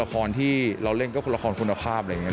ละครที่เราเล่นก็คือละครคุณภาพอะไรอย่างนี้